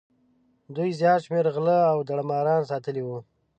دوی زیات شمېر غله او داړه ماران ساتلي وو.